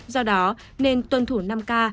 do đó nên tuân thủ năm k